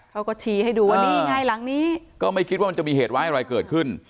เขาก็ชี้ให้ดูว่านี่ไงหลังนี้ก็ไม่คิดว่ามันจะมีเหตุร้ายอะไรเกิดขึ้น